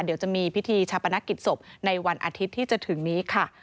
เดี๋ยวจะมีพิธีชาปนกิจศพในวันอาทิตย์ที่จะถึงนี้ค่ะ